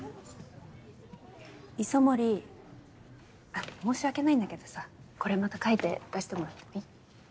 磯森申し訳ないんだけどさこれまた書いて出してもらってもいい？